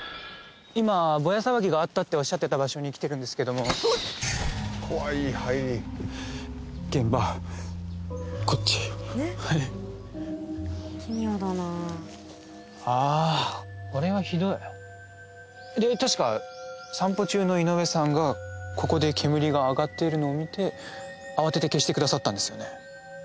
今ボヤ騒ぎがあったっておっしゃってた場所に来てるんですけども現場こっちはいああこれはひどいで確か散歩中の井上さんがここで煙が上がっているのを見て慌てて消してくださったんですよね